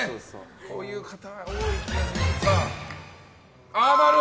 こういう方多い気がする。